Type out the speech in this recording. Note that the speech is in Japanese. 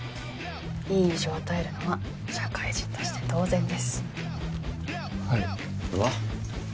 いい印象を与えるのは社会人として当然ですはいこれは？